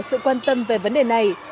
sự quan tâm về vấn đề này